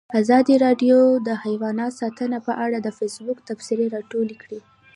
ازادي راډیو د حیوان ساتنه په اړه د فیسبوک تبصرې راټولې کړي.